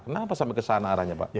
kenapa sampai kesana arahnya pak